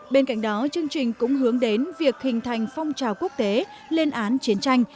bên cạnh đó chương trình cũng hướng đến việc hình thành phong trào quốc tế lên án chiến tranh